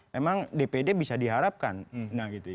memang dpd bisa diharapkan